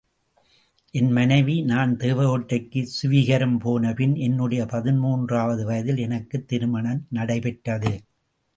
என் மனைவி நான் தேவகோட்டைக்கு சுவீகாரம் போன பின் என்னுடைய பதிமூன்றாவது வயதில் எனக்குத் திருமணம் நடைபெற்றது.